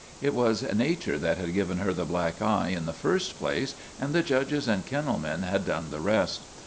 It was nature that had given her the black eye in the first place and the judges and kennel men had done the rest.